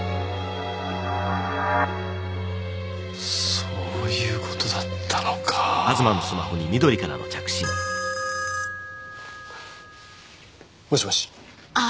そういうことだったのか・もしもしあぁ